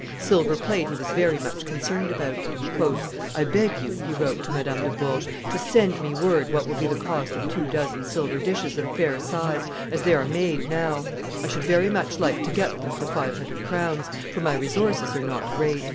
Silver plate he was very much concerned about. "I beg you," he wrote to Madame de Bourges, "to send me word what will be the cost of two dozen silver dishes of fair size, as they are made now; I should very much like to get them for five hundred crowns, for my resources are not great.